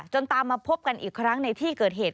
ตามมาพบกันอีกครั้งในที่เกิดเหตุ